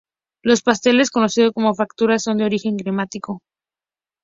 Los pasteles conocido como facturas son de origen germánico.